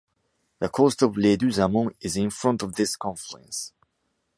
The Coast of Les Deux-Amants is in front of this confluence.